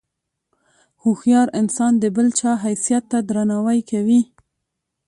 هوښیار انسان د بل چا حیثیت ته درناوی کوي.